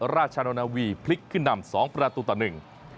ราชนาวีพลิกขึ้นนำสองประตูต่อหนึ่ง